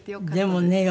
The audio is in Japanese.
でもね